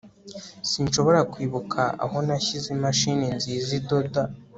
sinshobora kwibuka aho nashyize imashini nziza idoda